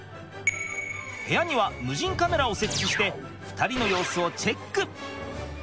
部屋には無人カメラを設置して２人の様子をチェック。